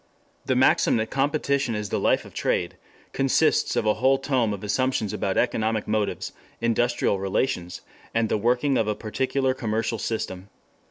The maxim that competition is the life of trade consists of a whole tome of assumptions about economic motives, industrial relations, and the working of a particular commercial system.